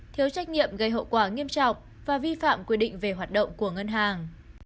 thiếu trách nhiệm gây hậu quả nghiêm trọng và vi phạm quy định về hoạt động của ngân hàng